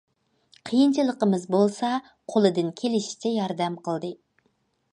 قىيىنچىلىقىمىز بولسا قولىدىن كېلىشىچە ياردەم قىلدى.